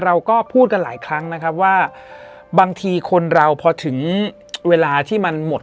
เราก็พูดกันหลายครั้งนะครับว่าบางทีคนเราพอถึงเวลาที่มันหมด